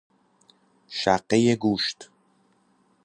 شقه گوشت